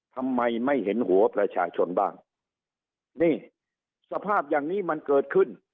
ทำไมไม่เห็นหัวประชาชนบ้างนี่สภาพอย่างนี้มันเกิดขึ้น